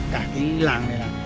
cả cái làng này